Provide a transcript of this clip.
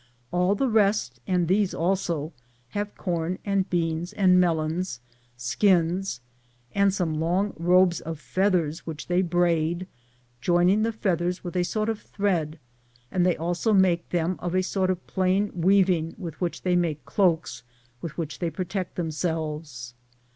All the rest, and these also, have com and beans and melons, skins, and some long robes of feathers which they braid, joining the feathers with a sort of thread ; and they also make them of a sort of plain weaving with which they make the cloaks with which they pro tect themselves.